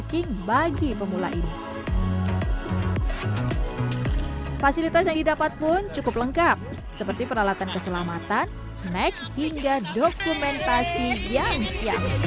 snack hingga dokumentasi yang canggih